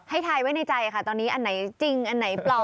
ทายไว้ในใจค่ะตอนนี้อันไหนจริงอันไหนปลอม